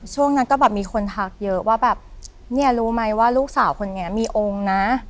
ช่วงนั้นก็แบบมีคนทักเยอะว่าแบบเนี่ยรู้ไหมว่าลูกสาวคนนี้มีองค์นะ